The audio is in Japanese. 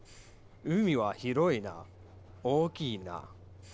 「海は広いな大きいな」。